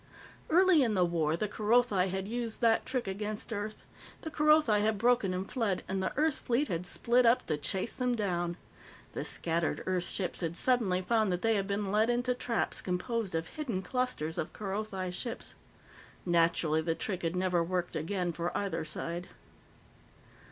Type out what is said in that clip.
Early in the war, the Kerothi had used that trick against Earth; the Kerothi had broken and fled, and the Earth fleet had split up to chase them down. The scattered Earth ships had suddenly found that they had been led into traps composed of hidden clusters of Kerothi ships. Naturally, the trick had never worked again for either side.